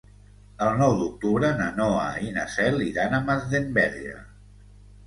El nou d'octubre na Noa i na Cel iran a Masdenverge.